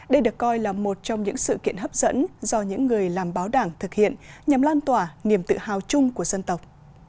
đây được coi là một trong những sự kiện hấp dẫn do những người làm báo đảng thực hiện nhằm lan tỏa niềm tự hào chung của dân tộc